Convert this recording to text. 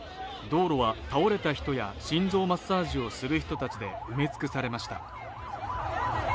道路は倒れた人や心臓マッサージをする人たちで埋め尽くされました。